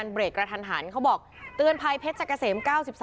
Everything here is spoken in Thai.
เบรกเถิดเขาบอกเตือนภายเพชรจะกระเสม๙๓